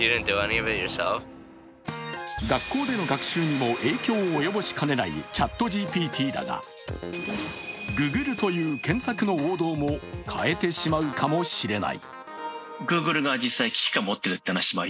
学校での学習にも影響を及ぼしかねないＣｈａｔＧＰＴだが、「ググる」という検索の王道も変えてしまうかもしれない。